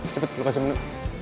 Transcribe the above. cepet lu kasih menu